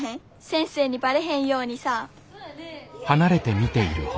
先生にバレへんようにさ。